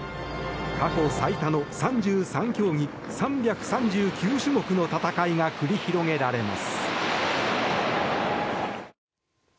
過去最多の３３競技３３９種目の戦いが繰り広げられます。